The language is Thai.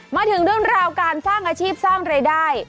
มาถึงเรื่องราวการสร้างอาชีพสร้างรายได้